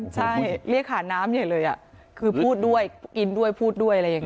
ใช่เรียกหาน้ำใหญ่เลยคือพูดด้วยกินด้วยพูดด้วยอะไรอย่างนี้